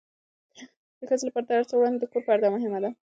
د ښځې لپاره تر هر څه وړاندې د کور پرده مهمه ده.